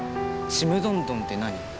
ちむどんどんって何？